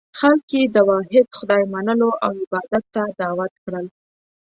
خلک یې د واحد خدای منلو او عبادت ته دعوت کړل.